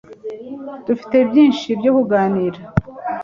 dufite byinshi byo kuganira